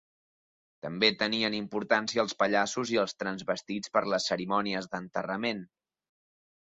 També tenien importància els pallassos i els transvestits per a les cerimònies d'enterrament.